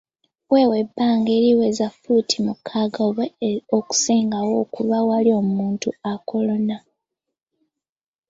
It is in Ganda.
Weewe ebbanga eriweza ffuuti mukaaga oba okusingawo okuva awali omuntu akolona.